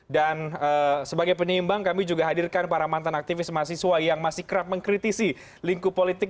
dan sebagai penyimbang kami juga hadirkan para mantan aktivis mahasiswa yang masih kerap mengkritisi lingkup politik